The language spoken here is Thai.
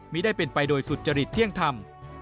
ไม่ได้เป็นไปโดยสุจริตเที่ยงธรรม